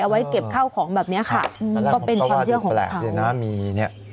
เอาไว้เก็บเข้าของแบบเนี่ยค่ะก็เป็นการเชื่อของพระวรรณา